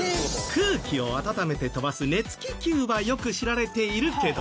空気を暖めて飛ばす熱気球はよく知られているけど。